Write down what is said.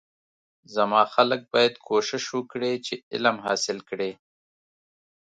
زما خلک باید کوشش وکړی چی علم حاصل کړی